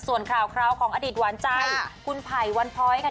ส่วนข่าวคราวของอดีตหวานใจคุณไผ่วันพ้อยค่ะ